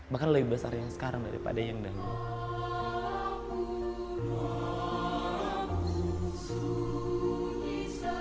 bahkan lebih besar yang sekarang daripada yang dahulu